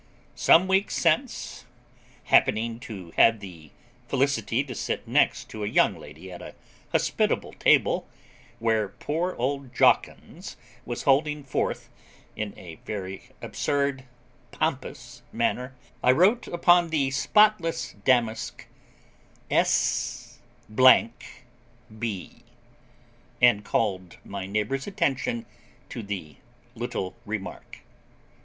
Some weeks since, happening to have the felicity to sit next to a young lady at a hospitable table, where poor old Jawkins was holding forth in a very absurd pompous manner, I wrote upon the spotless damask 'S B,' and called my neighbour's attention to the little remark.